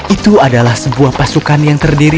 itu adalah sebuah pasukan yang terdiri